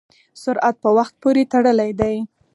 سرعت په وخت پورې تړلی دی.